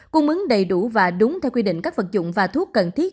cung ứng đầy đủ và đúng theo quy định các vật dụng và thuốc cần thiết